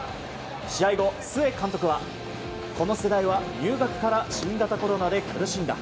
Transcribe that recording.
試合後、須江監督はこの世代は入学から新型コロナで苦しんだ。